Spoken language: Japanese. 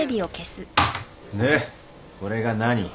これが何？